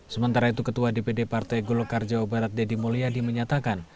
sementara itu ketua dpd partai golkar jawa barat deddy mulyadi menyatakan